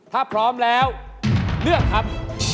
ถ้าพร้อมแล้วเลือกครับ